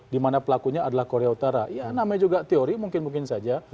dimana pelakunya adalah korea utara ya namanya juga teori mungkin mungkin saja